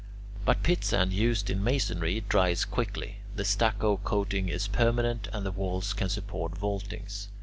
But pitsand used in masonry dries quickly, the stucco coating is permanent, and the walls can support vaultings.